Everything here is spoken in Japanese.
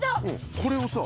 これをさ